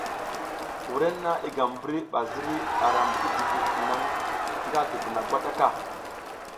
Wrenna i gam mbri ba ziri a ram ti jivid naŋ nga dubuna gwata ka.